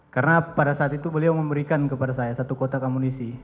karena pada saat itu beliau memberikan kepada saya satu kotak amunisi